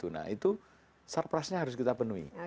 nah itu surplusnya harus kita penuhi